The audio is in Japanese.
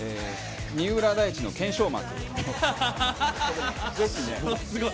三浦大知の懸賞幕。